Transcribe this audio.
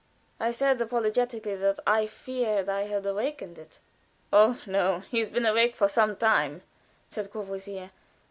I said apologetically that I feared I had awakened it. "Oh, no! He's been awake for some time," said Courvoisier.